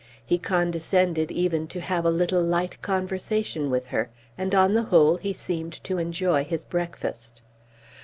He condescended even to have a little light conversation with her, and, on the whole, he seemed to enjoy his breakfast.